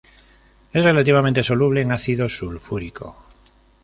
Es relativamente soluble en ácido sulfúrico.